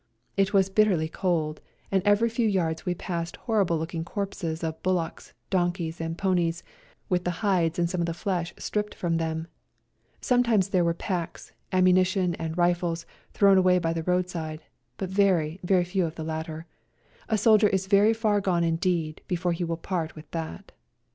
It was bitterly cold, and every few yards we passed horrible looking corpses of bullocks, donkeys and ponies, with the hides and some of the flesh stripped from them ; sometimes there were packs, ammunition and rifles thrown away by the roadside, but very, very few of the latter ; a soldier is very far gone indeed before he will part with that.